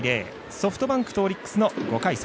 ソフトバンクとオリックスの５回戦。